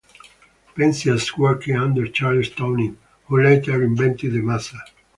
Penzias worked under Charles Townes, who later invented the maser.